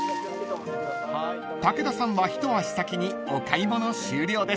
［武田さんは一足先にお買い物終了です］